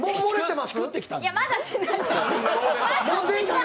まだしない。